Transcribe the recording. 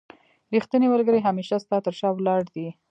رښتينی ملګری هميشه ستا تر شا ولاړ دی